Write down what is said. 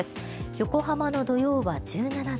横浜の土曜は１７度。